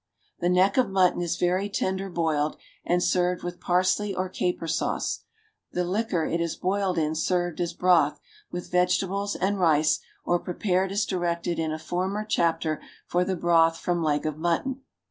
The neck of mutton is very tender boiled and served with parsley or caper sauce; the liquor it is boiled in served as broth, with vegetables and rice, or prepared as directed in a former chapter for the broth from leg of mutton.